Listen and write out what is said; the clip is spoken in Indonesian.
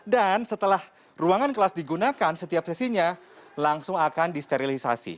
dan setelah ruangan kelas digunakan setiap sesinya langsung akan disterilisasi